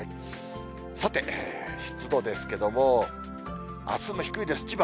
さて、湿度ですけども、あすも低いです。